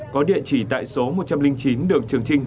có địa chỉ tại số một trăm linh chín đường trường trinh